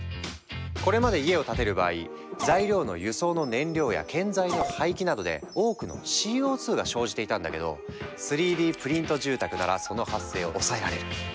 これまで家を建てる場合材料の輸送の燃料や建材の廃棄などで多くのＣＯが生じていたんだけど３Ｄプリント住宅ならその発生を抑えられる。